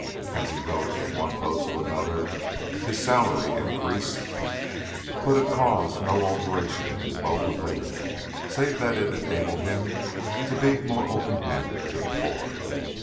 As he rose from one post to another his salary increased, but it caused no alteration in his mode of living, save that it enabled him to be more open handed to the poor.